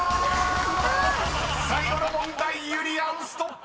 ［最後の問題ゆりやんストップ！